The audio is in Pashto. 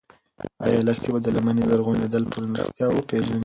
ایا لښتې به د لمنې زرغونېدل په رښتیا وپېژني؟